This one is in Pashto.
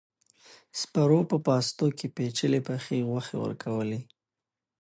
سپرو په پاستو کې پيچلې پخې غوښې ورکولې.